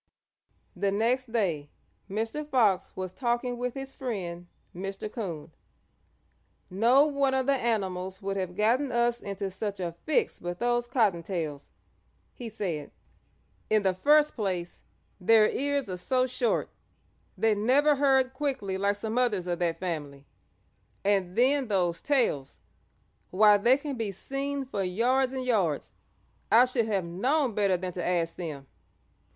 The next day Mr. Fox was talking with his friend, Mr. Coon. "No one of the animals would have gotten us into such a fix but those Cottontails," he said. "In the first place, their ears are so short they never heard quickly like some others of that family, and then those tails why they can be seen for yards and yards. I should have known better than to ask them.